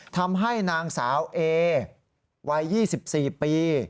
ทำให้นางสาวเอวัย๒๔ปี